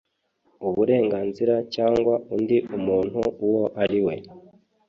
uburenganzira cyangwa undi umuntu uwo ariwe